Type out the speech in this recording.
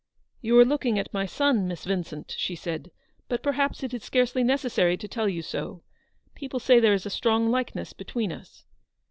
" You are looking at my son, Miss Vincent," she said ;" but perhaps it is scarcely necessary to tell you so. People say there is a strong likeness between us."